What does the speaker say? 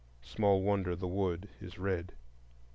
Small wonder the wood is red.